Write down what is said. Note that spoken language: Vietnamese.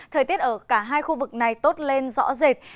thời tiết ở cả hai khu vực này tốt lên rõ rệt